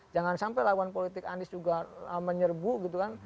jangan sampai lawan politik anies juga menyerbu gitu kan